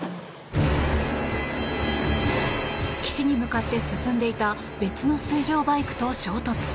岸に向かって進んでいた別の水上バイクと衝突。